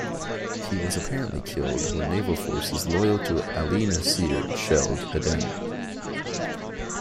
He was apparently killed when naval forces loyal to Ali Nasir shelled Aden.